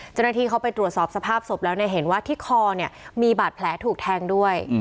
เจ้าหน้าที่เขาไปตรวจสอบสภาพศพแล้วเนี่ยเห็นว่าที่คอเนี่ยมีบาดแผลถูกแทงด้วย